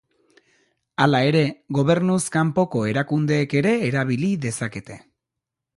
Hala ere, gobernuz kanpoko erakundeek ere erabili dezakete.